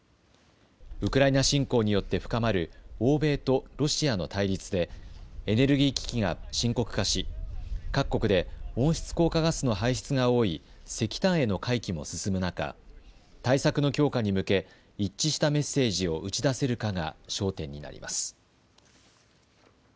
ウクライナ侵攻によって深まる欧米とロシアの対立でエネルギー危機が深刻化し各国で温室効果ガスの排出が多い石炭への回帰も進む中、対策の強化に向け一致したメッセージを打ち出せるかが焦点になります。